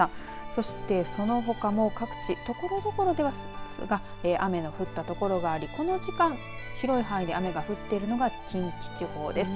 そして、そのほかも各地ところどころですが雨の降った所があり、この時間広い範囲で雨が降っているのが近畿地方です。